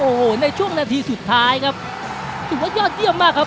โอ้โหในช่วงนาทีสุดท้ายครับถือว่ายอดเยี่ยมมากครับ